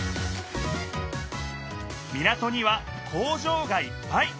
港には工場がいっぱい！